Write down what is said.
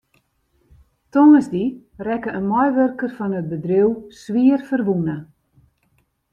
Tongersdei rekke in meiwurker fan it bedriuw swierferwûne.